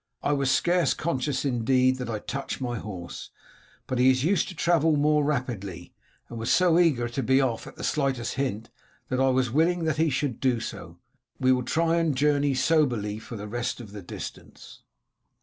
I was scarce conscious, indeed, that I touched my horse, but he is used to travel more rapidly, and was so eager to be off at the slightest hint that I was willing that he should do so. We will try and journey soberly for the rest of the distance."